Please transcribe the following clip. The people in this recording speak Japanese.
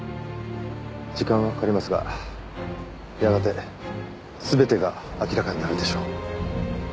時間はかかりますがやがて全てが明らかになるでしょう。